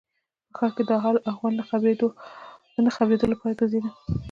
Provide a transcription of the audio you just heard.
په ښار کې د حال و احوال نه د خبرېدو لپاره ګرځېده.